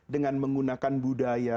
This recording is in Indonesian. dengan menggunakan budaya